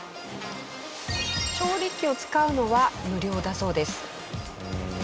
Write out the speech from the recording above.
調理器を使うのは無料だそうです。